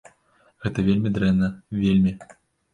Гэта вельмі дрэнна, вельмі.